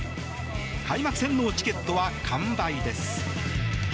開幕戦のチケットは完売です。